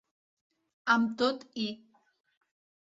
Amb tot i.